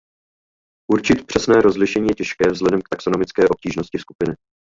Určit přesné rozšíření je těžké vzhledem k taxonomické obtížnosti skupiny.